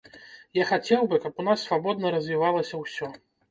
Я хацеў бы, каб у нас свабодна развівалася ўсё.